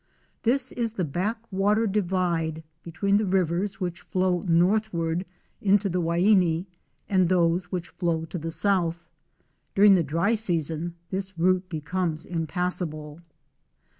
This is the back water divide between the rivers which flow northward into the Waini and those which flow to the south. During the dry season this route becomes impassable.